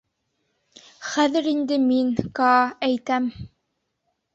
Хәҙер инде мин, Каа, әйтәм...